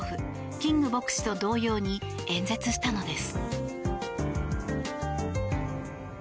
・キング牧師と同様に演説したのです。